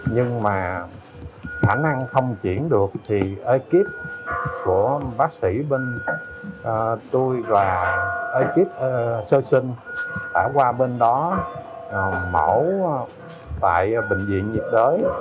nhưng mà khả năng không chuyển được thì ekip của bác sĩ bên tôi và ekip sơ sinh đã qua bên đó mẫu tại bệnh viện nhiệt đới